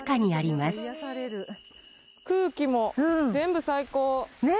空気も全部最高！ね！